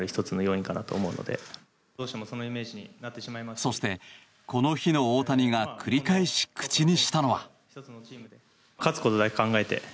そして、この日の大谷が繰り返し口にしたのは。